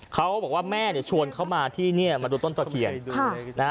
เขาบอกว่าแม่เนี่ยชวนเขามาที่นี่มาดูต้นตะเคียน